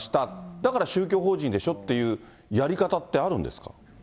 だから宗教法人でしょっていうやり方ってあるんですか。